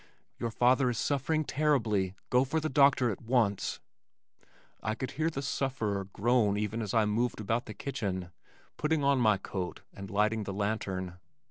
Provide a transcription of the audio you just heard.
"Your father is suffering terribly. Go for the doctor at once." I could hear the sufferer groan even as I moved about the kitchen, putting on my coat and lighting the lantern.